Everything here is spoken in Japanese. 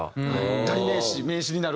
代名詞名詞になるから。